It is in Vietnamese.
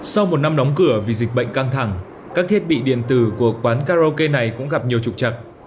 sau một năm đóng cửa vì dịch bệnh căng thẳng các thiết bị điện tử của quán karaoke này cũng gặp nhiều trục trặc